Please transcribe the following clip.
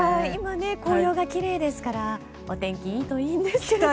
今、紅葉がきれいですからお天気いいといいんですけど。